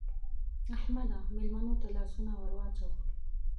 احمده! مېلمنو ته لاسونه ور واچوه.